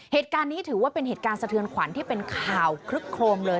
เหตุการณ์นี้ถือว่าเป็นเหตุการณ์สะเทือนขวัญที่เป็นข่าวคลึกโครมเลย